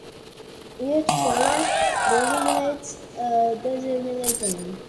Each color designates a destination.